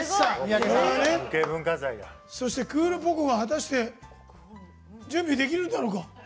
そしてクールポコ。が果たして準備できるんだろうか？